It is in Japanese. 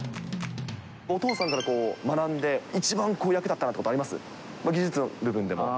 お父さんから学んで、一番役に立ったなっていうことあります？